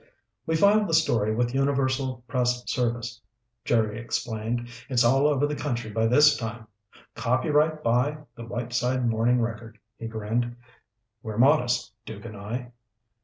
"We filed the story with Universal Press Service," Jerry explained. "It's all over the country by this time. Copyright by the Whiteside Morning Record." He grinned. "We're modest, Duke and I."